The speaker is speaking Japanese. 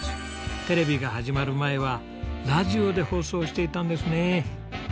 テレビが始まる前はラジオで放送していたんですね。